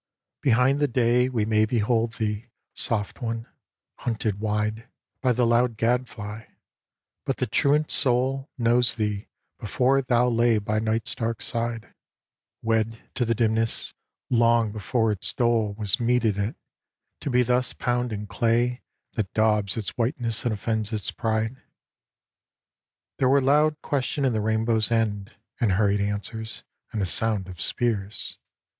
Behind the day We may behold thee, soft one, hunted wide By the loud gadfly; but the truant soul Knows thee before thou lay by night's dark side, 138 A DREAM OF ARTEMIS Wed to the dimness ; long before its dole Was meted it, to be thus pound in clay That daubs its whiteness and offends its pride. There were loud questions in the rainbow's end, And hurried answers, and a sound of spears.